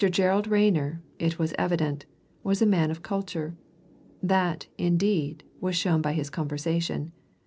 Gerald Rayner, it was evident, was a man of culture that, indeed, was shown by his conversation.